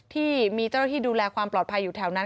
ที่มีเจ้าหน้าที่ดูแลความปลอดภัยอยู่แถวนั้น